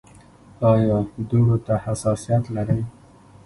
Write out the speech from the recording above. ایا دوړو ته حساسیت لرئ؟